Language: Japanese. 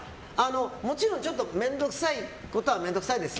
もちろん、ちょっと面倒くさいことは面倒くさいです。